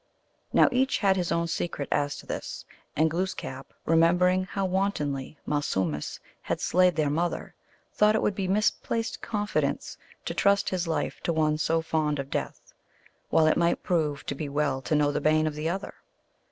Now each had his own secret as to this, and Glooskap, remembering how wantonly Malsumsis had slain their mother, thought it would be misplaced confidence to trust his life to one so fond of death, while it might prove to be well to know the bane of the other.